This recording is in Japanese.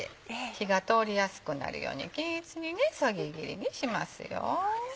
火が通りやすくなるように均一にそぎ切りにしますよ。